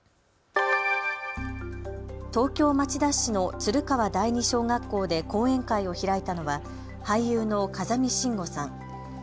東京町田市の鶴川第二小学校で講演会を開いたのは俳優の風見しんごさん。